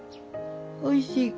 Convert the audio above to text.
おいしいか？